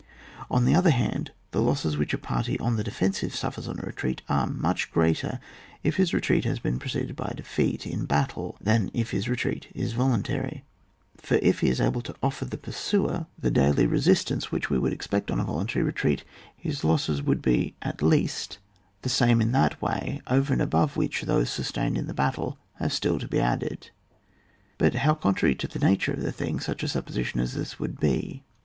On the other hand, the losses which a party on the defensive suffers on a retreat, are much greater if his retreat has been preceded by a defeat in battle than if his retreat is voluntary. For if he is able to offer the pursuer the daily CHAP. XXV.] RETREA T INTO TEE INTERIOR OF THE CO UNTR F. 1 65 resistance whicli we expect on a volun tary retreat, his losses would be at least the same in that way, over and above which those sustained in the battle have still to be added. But how contrary to the nature of the thing such a suppo aition as this would be